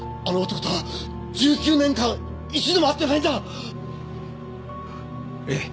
あの男とは１９年間一度も会ってないんだ！